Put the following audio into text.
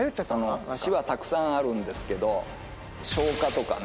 「し」はたくさんあるんですけど。